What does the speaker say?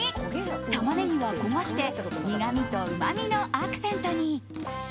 タマネギは焦がして苦みとうまみのアクセントに。